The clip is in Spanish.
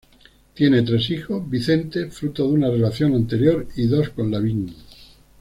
Tiene tres hijos; Vicente, fruto de una relación anterior, y dos con Lavín.